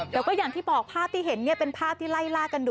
แล้วก็อย่างที่บอกภาพที่เห็นเป็นภาพที่ไล่ล่ากันดู